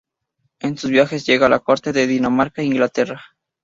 En sus viajes, llega a la corte de Dinamarca e Inglaterra.